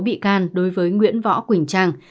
bị can đối với nguyễn võ quỳnh trang